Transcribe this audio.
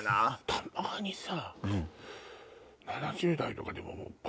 たまにさ。